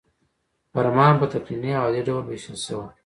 فرمان په تقنیني او عادي ډول ویشل شوی.